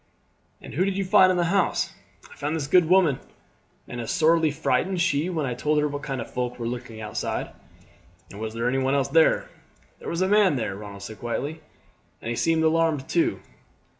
"And who did you find in the house?" "I found this good woman, and sorely frightened she was when I told her what kind of folk were lurking outside." "And was there anyone else there?" "There was a man there," Ronald said quietly, "and he seemed alarmed too."